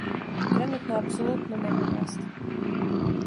Тренутно апсолутно нема места.